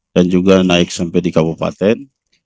dan juga naik sampai di kabupaten